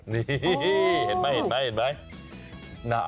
นี่เห็นไหม